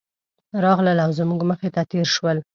راغلل او زموږ مخې ته تېر شول.